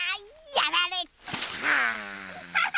やられた。